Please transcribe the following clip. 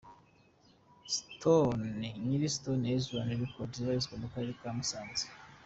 Stone Nyiri Stone Island Record ibarizwa mu karere ka Musanze.